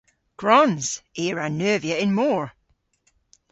Gwrons! I a wra neuvya y'n mor.